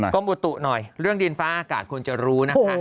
กรมบุตุหน่อยเรื่องดินฟ้าอากาศควรจะรู้นะคะ